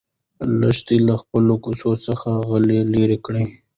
لښتې له خپلې کوڅۍ څخه خلی لرې کړ.